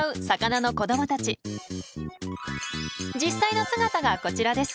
実際の姿がこちらです。